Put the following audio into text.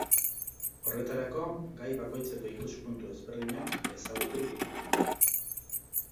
Horretarako, gai bakoitzeko ikuspuntu ezberdinak ezagutu ditu.